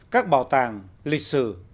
các bảo tàng lịch sử